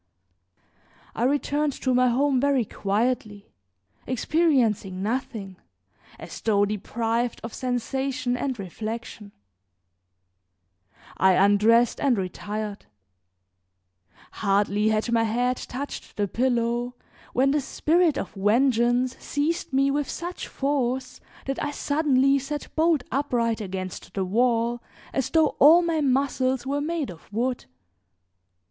I returned to my home very quietly, experiencing nothing, as though deprived of sensation and reflection. I undressed and retired; hardly had my head touched the pillow when the spirit of vengeance seized me with such force that I suddenly sat bolt upright against the wall as though all my muscles were made of wood.